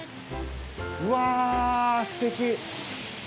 うわっ、すてき。